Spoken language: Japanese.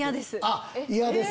嫌です。